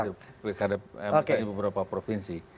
hasil tkd mti di beberapa provinsi